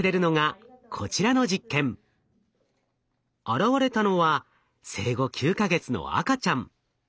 現れたのは生後９か月の赤ちゃん。